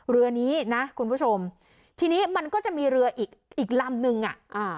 เรือนี้นะคุณผู้ชมทีนี้มันก็จะมีเรืออีกอีกลำนึงอ่ะอ่า